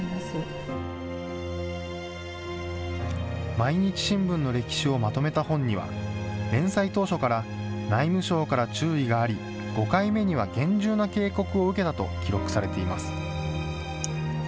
毎日新聞の歴史をまとめた本には、連載当初から内務省から注意があり、５回目には厳重な警告を受けたと記録されています。